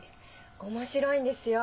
面白いんですよ